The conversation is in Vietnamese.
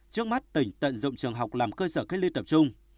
trước mắt tỉnh tận dụng trường học làm cơ sở cách ly tập trung